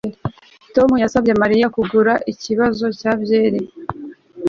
Tom yasabye Mariya kugura ikibazo cya byeri